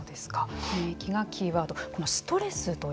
免疫がキーワード。